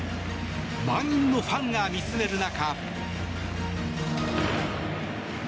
満員のファンが見つめる中。